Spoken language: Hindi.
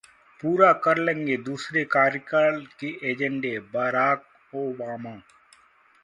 पूरा कर लेंगे दूसरे कार्यकाल के एजेंडेः बराक ओबामा